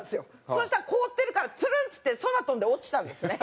そしたら凍ってるからツルンっつって空飛んで落ちたんですね